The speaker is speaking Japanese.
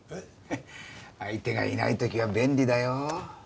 相手がいない時は便利だよ。